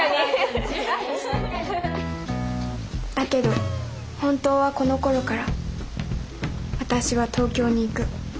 だけど本当はこのころから私は東京に行く。